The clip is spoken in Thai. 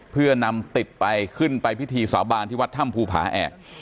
เพื่อนำติดไปขึ้นไปพิธีสาบานที่วัดถ้ำภูผาแอก